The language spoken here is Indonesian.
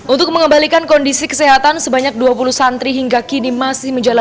untuk mengembalikan kondisi kesehatan sebanyak dua puluh santri hingga kini masih menjalani